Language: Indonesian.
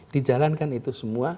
dijalankan itu semua